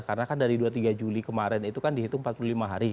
karena kan dari dua puluh tiga juli kemarin itu kan dihitung empat puluh lima hari